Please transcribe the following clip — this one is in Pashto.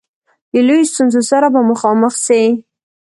د لویو ستونزو سره به مخامخ سي.